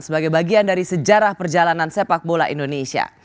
sebagai bagian dari sejarah perjalanan sepak bola indonesia